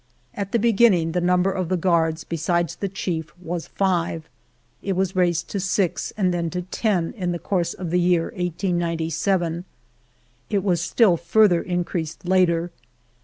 . At the beginning, the number of the guards, besides the chief, was five ; it was raised to six, and then to ten, in the course of the year 1897. It was still further increased later.